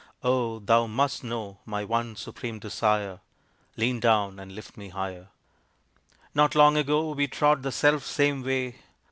Oh, thou must know my one supreme desire Lean down and lift me higher. Not long ago we trod the self same way.